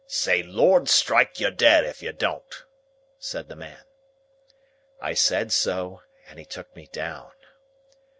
"Say Lord strike you dead if you don't!" said the man. I said so, and he took me down.